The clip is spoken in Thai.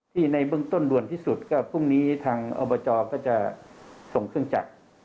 ในเบื้องต้นด่วนที่สุดก็พรุ่งนี้ทางอบจก็จะส่งเครื่องจักร